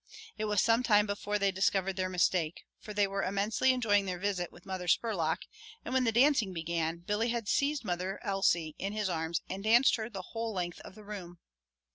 It was some time before they discovered their mistake, for they were immensely enjoying their visit with Mother Spurlock, and when the dancing began Billy had seized Mother Elsie in his arms and danced her the whole length of the room.